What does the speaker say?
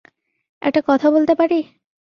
একটা কথা বলতে পারি?